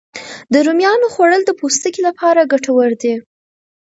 د رومیانو خوړل د پوستکي لپاره ګټور دي